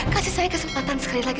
kasih saya kesempatan sekali lagi